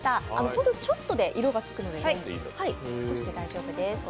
ホントにちょっとで色がつくので少しで大丈夫です。